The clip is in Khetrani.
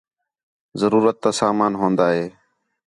ضرورت تا سامان ہون٘دا ہِے